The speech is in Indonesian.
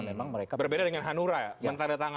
memang mereka berbeda dengan hanura ya